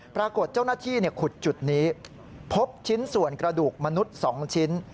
ปรากฏเจ้าหน้าที่ขุดจุดนี้พบชิ้นส่วนกระดูกมนุษย์๒ชิ้น